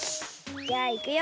じゃあいくよ。